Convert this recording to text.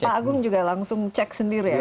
jadi pak agung juga langsung cek sendiri ya